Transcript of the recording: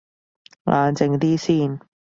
冷靜啲先